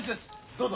どうぞ。